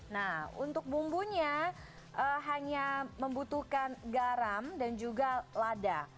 nah untuk bumbunya hanya membutuhkan garam dan juga lada